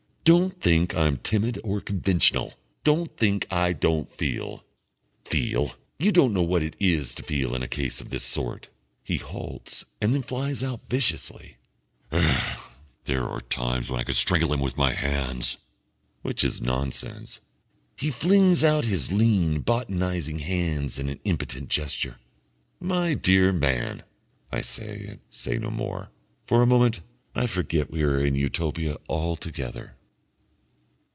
Don't think I'm timid or conventional. Don't think I don't feel.... Feel! You don't know what it is to feel in a case of this sort...." He halts and then flies out viciously: "Ugh! There are times when I could strangle him with my hands." Which is nonsense. He flings out his lean botanising hands in an impotent gesture. "My dear Man!" I say, and say no more. For a moment I forget we are in Utopia altogether.